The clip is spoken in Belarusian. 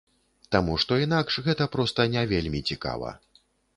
Таму што інакш гэта проста не вельмі цікава.